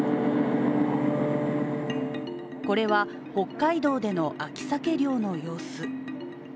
これは北海道での秋サケ漁の様子。